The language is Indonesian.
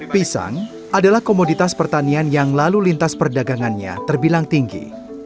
pisang adalah komoditas pertanian yang lalu lintas perdagangannya terbilang tinggi